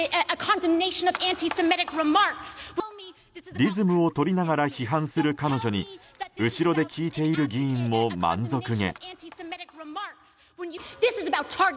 リズムを取りながら批判する彼女に後ろで聞いている議員も満足げ。